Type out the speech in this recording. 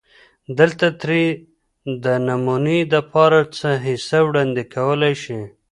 دلته ترې دنمونې دپاره څۀ حصه وړاندې کولی شي